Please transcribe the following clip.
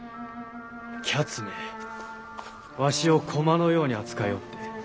彼奴めわしを駒のように扱いおって。